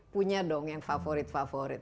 punya dong yang favorit favorit